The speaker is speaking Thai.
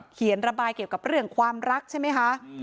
เขียนระบายเกี่ยวกับเรื่องความรักใช่ไหมคะ